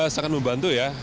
sangat membantu ya